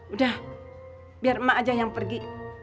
udah biar emak aja yang pergi